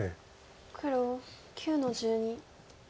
黒９の十二。